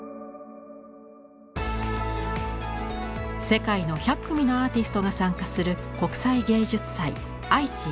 世界の１００組のアーティストが参加する国際芸術祭「あいち２０２２」。